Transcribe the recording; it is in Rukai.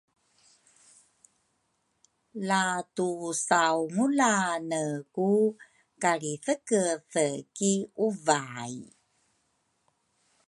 la tusaungulane ku kalrithekethe ki uvai